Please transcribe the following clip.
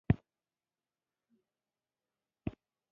که په کور کې وي يوارې خو ورته غږ کړه !